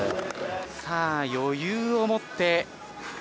さあ余裕を持って。